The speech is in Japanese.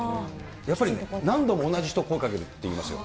やっぱりね、何度も同じ人に声をかけるって言いますよ。